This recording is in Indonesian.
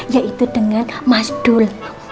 yaitu dengan mas dul